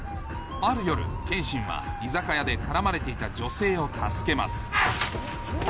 ある夜剣心は居酒屋で絡まれていた女性を助けます